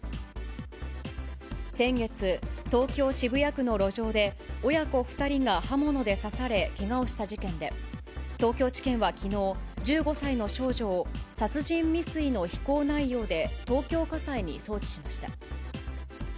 先月、東京・渋谷区の路上で、親子２人が刃物で刺され、けがをした事件で、東京地検はきのう、１５歳の少女を殺人未遂の非行内容で東京家裁に送致しました。